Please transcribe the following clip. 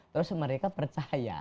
terus mereka percaya